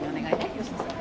吉野さん。